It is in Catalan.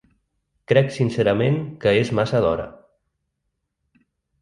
Crec sincerament que és massa d’hora.